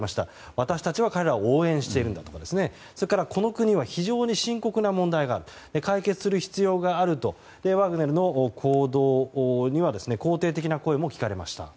私たちは彼らを応援しているんだとかそれからこの国は非常に深刻な問題がある解決する必要があるとワグネルの行動には肯定的な声も聞かれました。